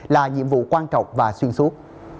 là nhiệm vụ quan trọng và xuyên suốt